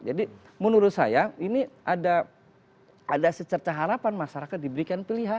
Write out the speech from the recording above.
jadi menurut saya ini ada secerca harapan masyarakat diberikan pilihan